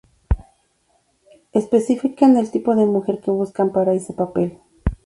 Especifican el tipo de mujer que buscan para ese papel.